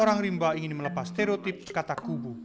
orang rimba ingin melepas stereotip kata kubu